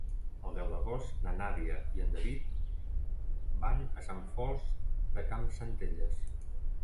El deu d'agost na Nàdia i en David van a Sant Fost de Campsentelles.